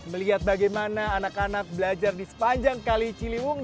melihat bagaimana anak anak belajar di sepanjang kali ciliwung